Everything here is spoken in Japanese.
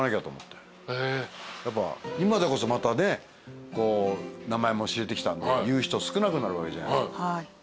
やっぱ今でこそまたね名前も知れてきたんで言う人少なくなるわけじゃないですか。